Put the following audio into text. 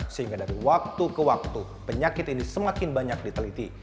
sehingga dari waktu ke waktu penyakit ini semakin banyak diteliti